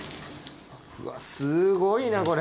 うわすごいなこれ。